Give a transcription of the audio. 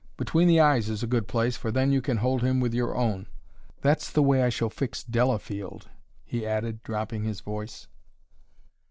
Between the eyes is a good place, for then you can hold him with your own. That's the way I shall fix Delafield," he added, dropping his voice.